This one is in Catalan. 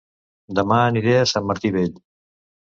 Dema aniré a Sant Martí Vell